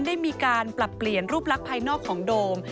ได้มีการปรับเปลี่ยนรูปลักษณ์ภายนอกของโดม